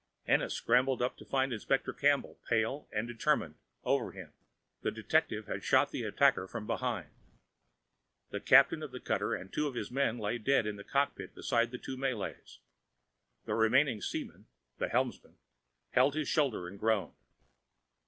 Ennis scrambled up to find Inspector Campbell, pale and determined, over him. The detective had shot the attacker from behind. The captain of the cutter and two of his men lay dead in the cockpit beside the two Malays. The remaining seaman, the helmsman, held his shoulder and groaned.